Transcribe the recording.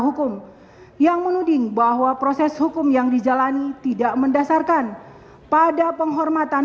hukum yang menuding bahwa proses hukum yang dijalani tidak mendasarkan pada penghormatan